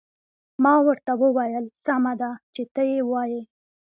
ما ورته وویل: سمه ده، چې ته يې وایې.